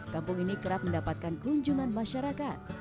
kampung ini kerap mendapatkan kunjungan masyarakat